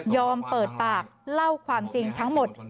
เปิดปากเล่าความจริงทั้งหมด